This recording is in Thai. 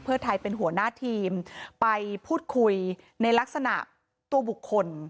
เพื่อไทยเป็นหัวหน้าทีมไปพูดคุยในลักษณะตัวบุคคล